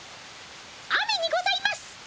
「雨」にございます！